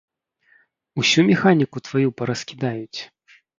Усю механіку тваю параскідаюць!